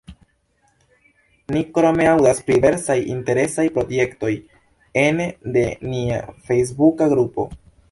Ni krome aŭdas pri diversaj interesaj projektoj ene de nia fejsbuka grupo.